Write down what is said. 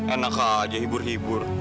enak aja hibur hibur